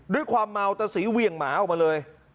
ด้วยความเมาตะศรีเหวี่ยงหมาออกมาเลย